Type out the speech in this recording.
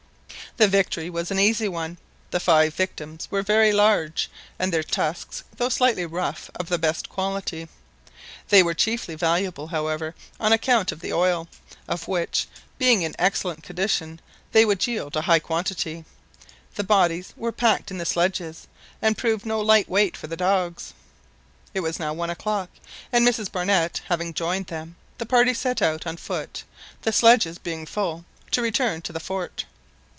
The victory was an easy one; the five victims were very large and their tusks, though slightly rough, of the best quality. They were chiefly valuable, however, on account of the oil; of which being in excellent condition they would yield a large quantity. The bodies were packed in the sledges, and proved no light weight for the dogs. It was now one o'clock, and Mrs Barnett having joined them, the party set out on foot the sledges being full to return to the fort.